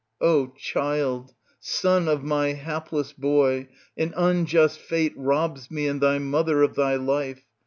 O child, son of my hapless boy, an unjust fate robs me and thy mother of thy life.